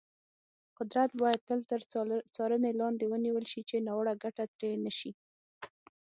قدرت باید تل تر څارنې لاندې ونیول شي، چې ناوړه ګټه ترې نه شي.